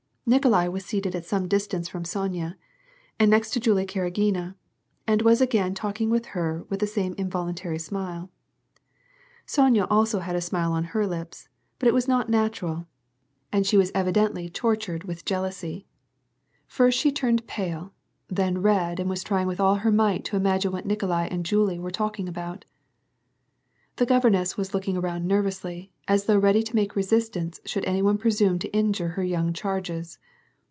Nikolai was seated at some distance from Sonya, and next to Julie Karagina, and was again talking with her with the same involuntary smile. Sonya also had a smile on her lips, but it was not natural^ and she was evidently tortured by jeal WAR AND PEACE, 73 ousy ; first she turned pale, then red, and was trying with all her might to imagine what Nikolai and Julie were talking about. The governess was looking around nervously, as though ready to make resistance should any one presume to injure her young charges.